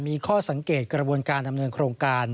มีข้อสังเกตกระบวนการดำเนินโครงการ